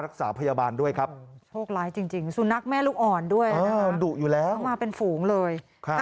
นั้นเนี่ยมาป๊าเท่านั้นมันออกมาเป็นมูเลย